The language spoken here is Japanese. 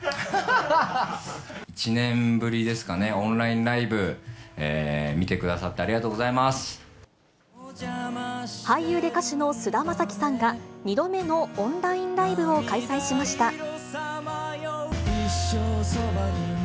１年ぶりですかね、オンラインライブ、見てくださってありがとう俳優で歌手の菅田将暉さんが、２度目のオンラインライブを開催しました。